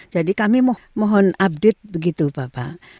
jadi kami mohon update begitu bapak